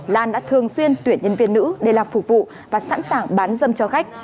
lan đã thường xuyên tuyển nhân viên nữ để làm phục vụ và sẵn sàng bán dâm cho khách